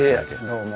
どうも。